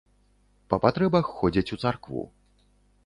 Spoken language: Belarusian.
Па патрэбах ходзяць у царкву.